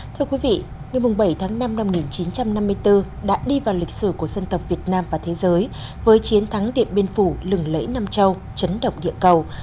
thưa quý vị ngày bảy tháng năm năm một nghìn chín trăm năm mươi bốn đã đi vào lịch sử của dân tộc việt nam và thế giới với chiến thắng điện biên phủ lừng lẫy nam châu chấn động địa cầu